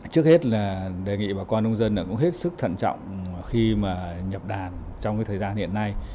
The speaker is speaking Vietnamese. trước hết là đề nghị bà con nông dân cũng hết sức thận trọng khi mà nhập đàn trong cái thời gian hiện nay